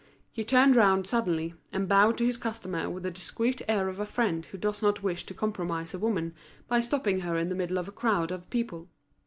He turned round suddenly, and bowed to his customer with the discreet air of a friend who does not wish to compromise a woman by stopping her in the middle of a crowd of people.